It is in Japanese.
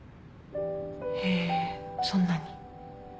へえそんなに。